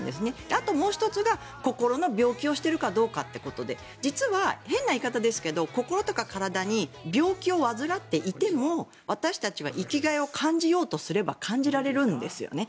あともう１つが心の病気をしているかどうかということで実は、変な言い方ですけど心とか体に病気を患っていても私たちは生きがいを感じようとすれば感じられるんですよね。